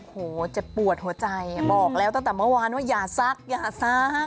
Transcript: โหเจ็บปวดหัวใจบอกแล้วตั้งแต่เมื่อวานว่าอย่าซักอย่าซัก